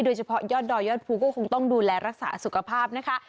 โดยเฉพาะยอดดอยยอดภูก็คงต้องดูแลรักษาสุขภาพนะคะ